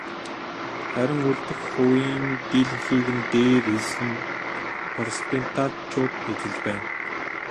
Харин үлдэх хувийн дийлэнхийг нь дээр хэлсэн протестантчууд эзэлж байна.